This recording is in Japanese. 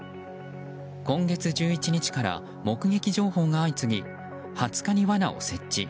今月１１日から目撃情報が相次ぎ２０日に罠を設置。